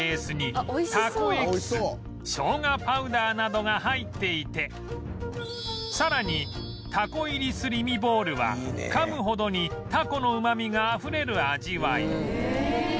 などが入っていてさらにたこ入りすり身ボールはかむほどにたこのうまみがあふれる味わい